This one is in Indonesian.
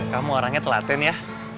kamu orangnya telaten ya